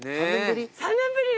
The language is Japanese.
３年ぶり？